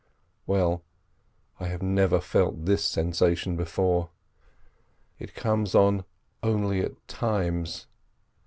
Well, I have never felt this sensation before; it comes on only at times.